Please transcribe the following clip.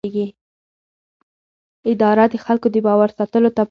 اداره د خلکو د باور ساتلو ته پام کوي.